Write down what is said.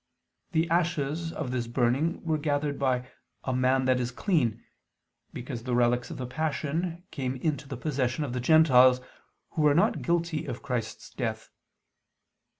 The ashes of this burning were gathered by "a man that is clean," because the relics of the Passion came into the possession of the Gentiles, who were not guilty of Christ's death.